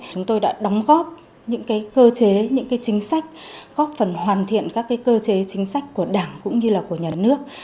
chúng tôi đã đóng góp những cơ chế những chính sách góp phần hoàn thiện các cơ chế chính sách của đảng cũng như là của nhà nước